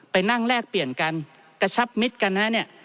ไปนั่งแลกเปลี่ยนกันกระชับมิตรกันฮะเนี่ย